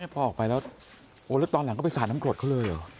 พอออกไปแล้วโอ้แล้วตอนหลังก็ไปสาดน้ำกรดเขาเลยเหรอ